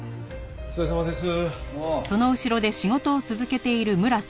お疲れさまです。